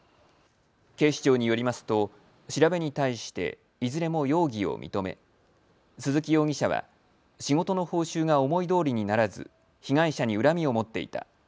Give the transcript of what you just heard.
警視庁によりますと調べに対していずれも容疑を認め鈴木容疑者は仕事の報酬が思いどおりにならず被害者に恨みを持っていた。